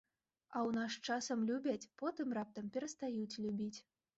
А ў нас часам любяць, потым раптам перастаюць любіць.